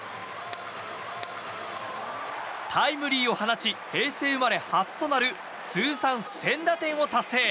タイムリーを放ち平成生まれ初となる通算１０００打点を達成！